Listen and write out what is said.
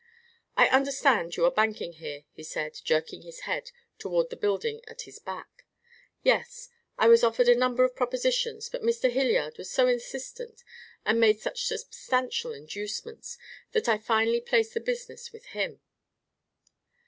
"I understand you are banking here," he said, jerking his head toward the building at his back. "Yes. I was offered a number of propositions, but Mr. Hilliard was so insistent and made such substantial inducements that I finally placed the business with him."